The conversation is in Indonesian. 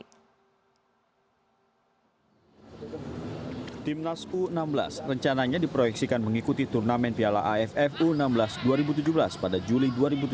timnas u enam belas rencananya diproyeksikan mengikuti turnamen piala aff u enam belas dua ribu tujuh belas pada juli dua ribu tujuh belas